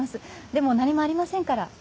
でも何もありませんから。